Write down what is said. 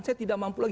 saya tidak mampu lagi